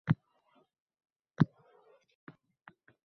Sabablari nimada buning?